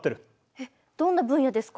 えっどんな分野ですか？